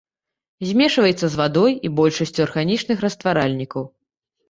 Змешваецца з вадой і большасцю арганічных растваральнікаў.